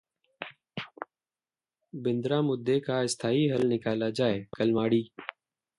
बिंद्रा मुद्दे का स्थायी हल निकाला जाए: कलमाड़ी